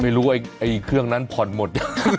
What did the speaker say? ไม่รู้ว่าเครื่องนั้นผ่อนหมด